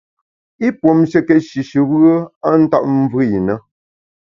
I puomshekét shishùbùe a ntap mvùe i na.